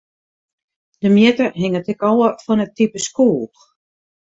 De mjitte hinget ek ôf fan it type skoech.